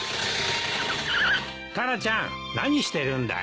タラちゃん何してるんだい？